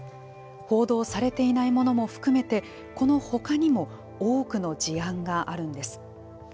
報道されていないものも含めてこの他にも多くの事案があるんです。